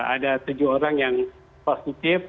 ada tujuh orang yang positif